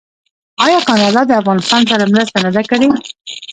آیا کاناډا د افغانستان سره مرسته نه ده کړې؟